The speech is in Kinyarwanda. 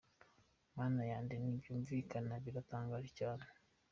Mana yanjye, ntibyumvikana biratangaje cyane.